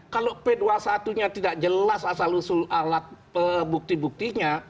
kalau p dua puluh satu nya tidak jelas asal usul alat bukti buktinya